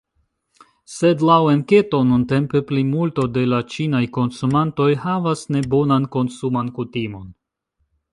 Sed, laŭ enketo, nuntempe plimulto de la ĉinaj konsumantoj havas nebonan konsuman kutimon.